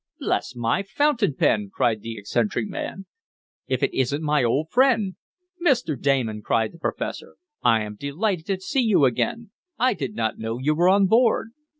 "Bless my fountain pen!" cried the eccentric man. "If it isn't my old friend!" "Mr. Damon!" cried the professor. "I am delighted to see you again. I did not know you were on board!"